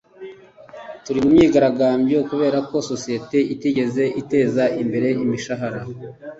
turi mu myigaragambyo kubera ko sosiyete itigeze iteza imbere umushahara